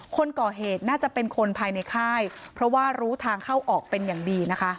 คนก่อเหตุน่าจะเป็นคนภายในค่ายเพราะว่ารู้ทางเข้าออกเป็นอย่างดีนะคะ